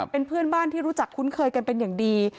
เป็นเพื่อนบ้านที่รู้จักคุ้นเคยกันเป็นอย่างดี